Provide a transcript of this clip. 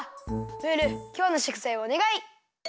ムールきょうのしょくざいをおねがい！